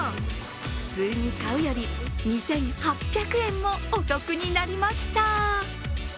普通に買うより２８００円もお得になりました。